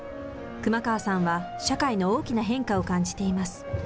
熊川さんは社会の大きな変化を感じています。